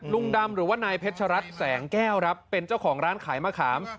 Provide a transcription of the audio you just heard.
ลุงดำหรือว่านายเพชรรัฐแสงแก้วครับเป็นเจ้าของร้านขายมะขาม